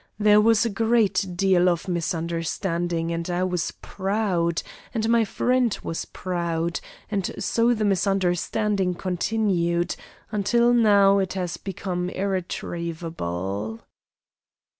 There was a great deal of misunderstanding; and I was proud, and my friend was proud, and so the misunderstanding continued, until now it has become irretrievable."